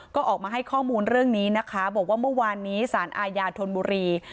ก็ออกมาให้ข้อมูลเรื่องนี้นะคะบอกว่าเมื่อวานนี้สารอาญาธนบุรี